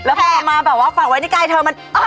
แล้วพอมาแบบว่าฝากไว้ในกายเธอมัน